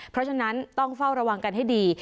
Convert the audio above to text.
เพราะฉะนั้นต้องเฝ้าระวังกันให้ดี